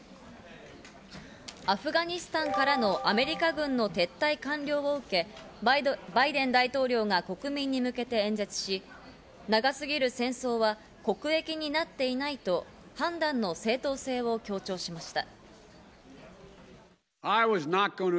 アフガニスタンからのアメリカ軍の撤退完了を受け、バイデン大統領が国民に向けて演説し、長すぎる戦争は国益になっていないと判断の正当性を強調しました。